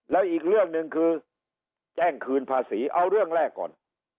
แล้วอีกเรื่องหนึ่งคือแจ้งคืนภาษีเอาเรื่องแรกก่อน